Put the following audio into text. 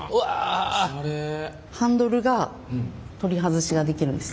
ハンドルが取り外しができるんですね。